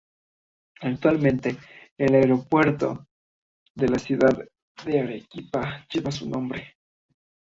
Actualmente el Aeropuerto de la ciudad de Arequipa lleva su nombre.